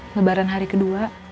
lebaran hari kedua